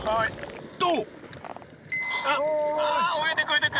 と！